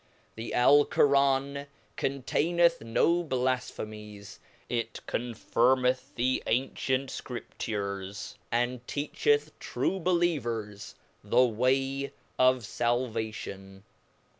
The Alcoran con taineth no blafphemies, it confirmeth the ancient Scriptures, and teacheth True believers the way of Salvation.